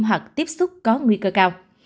hoặc tiếp xúc có nguy cơ cao